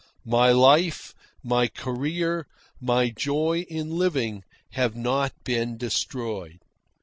My life, my career, my joy in living, have not been destroyed.